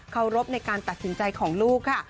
รบในการตัดสินใจของลูกค่ะ